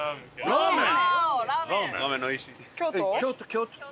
ラーメン。